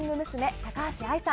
高橋愛さん。